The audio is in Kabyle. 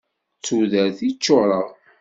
D tudert i ččureɣ.